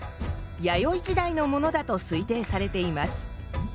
弥生時代のものだと推定されています。